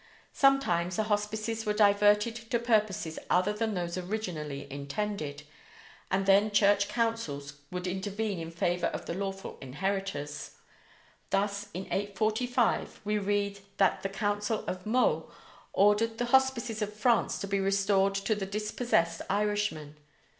Sometimes the hospices were diverted to purposes other than those originally intended, and then Church Councils would intervene in favor of the lawful inheritors. Thus in 845 we read that the Council of Meaux ordered the hospices in France to be restored to the dispossessed Irishmen.